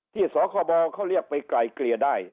สคบเขาเรียกไปไกลเกลี่ยได้